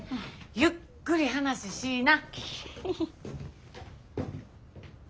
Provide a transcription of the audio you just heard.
ゆっくり話しいな。